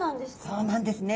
そうなんですね。